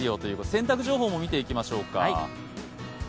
洗濯情報も見ていきましょうか。